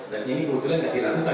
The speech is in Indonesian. dan ini kebetulan tidak diragukan